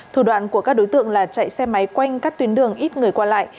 thủ đoạn của các đối tượng là chạy xe máy quanh các tuyến đường ít người qua lại